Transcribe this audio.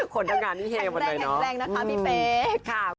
ขนทำงานแข็งแกร่งแข็งแกร่งนะคะพี่เฟ้ค่ะ